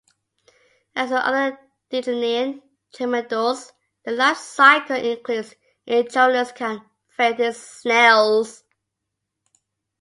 As with other digenean trematodes, the life cycle includes intramolluscan phase in snails.